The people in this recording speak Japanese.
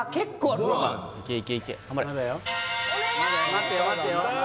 待ってよ待ってよ